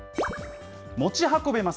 持ち運べます。